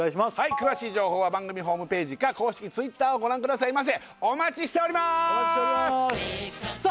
詳しい情報は番組ホームページか公式Ｔｗｉｔｔｅｒをご覧くださいませお待ちしておりますお待ちしておりますさあ